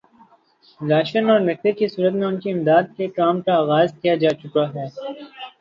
ration اور نقدی کی صورت میں ان کی امداد کے کام کا آغاز کیا جا چکا ہے